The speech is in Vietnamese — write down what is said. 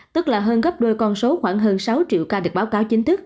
tức là hơn gấp đôi con số khoảng hơn sáu triệu ca